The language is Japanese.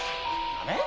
ダメ？